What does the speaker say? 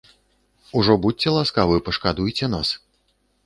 Ужо будзьце ласкавы, пашкадуйце нас.